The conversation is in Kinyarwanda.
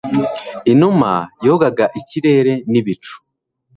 inuma yogoga ikirere nibicu